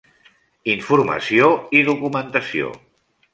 Informació i documentació.